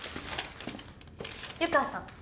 湯川さん